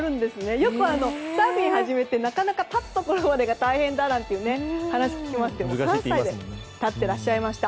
やっぱりサーフィンを始めてなかなか立つところまでが大変だという話を聞きますが３歳で立っていらっしゃいました。